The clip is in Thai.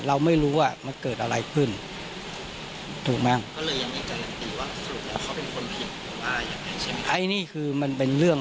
เราไม่รู้ว่าเกิดอะไรขึ้น